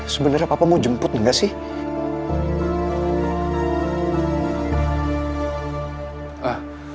sebenernya papa mau jemput gak sih